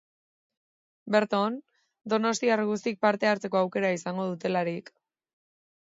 Berton, donostiar guztiek parte hartzeko aukera izango dutelarik.